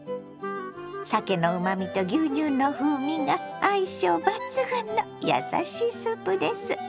さけのうまみと牛乳の風味が相性抜群のやさしいスープです。